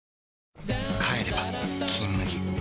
帰れば「金麦」